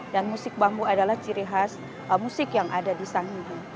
dan musik bambu adalah ciri khas musik yang ada di sanggung